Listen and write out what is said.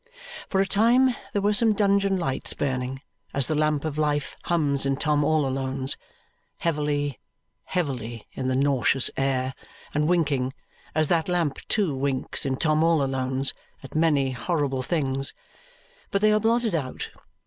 For a time there were some dungeon lights burning, as the lamp of life hums in Tom all Alone's, heavily, heavily, in the nauseous air, and winking as that lamp, too, winks in Tom all Alone's at many horrible things. But they are blotted out.